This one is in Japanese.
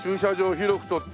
広く取って。